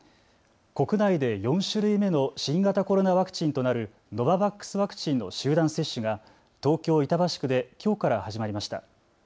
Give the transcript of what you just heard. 国内で４種類目の新型コロナワクチンとなるノババックスのワクチンの集団接種が東京板橋区できょうから始まりました。